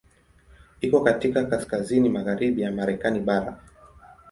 Iko katika kaskazini magharibi ya Marekani bara.